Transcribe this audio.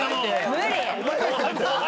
無理。